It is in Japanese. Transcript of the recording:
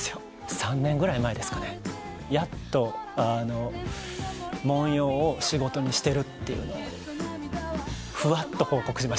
３年ぐらい前ですかねやっと文様を仕事にしてるっていうのをふわっと報告しました。